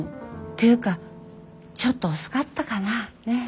ていうかちょっと遅かったかなぁ。ねぇ？え！？